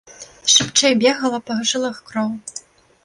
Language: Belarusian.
Шыбчэй бегала па жылах кроў.